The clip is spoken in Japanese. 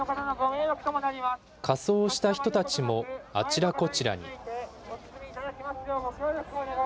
仮装をした人たちもあちらこちらに。